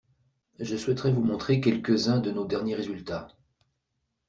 je souhaiterais vous montrer quelques-uns de nos derniers résultats.